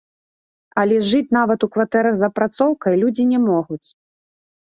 Але жыць нават у кватэрах з апрацоўкай людзі не могуць.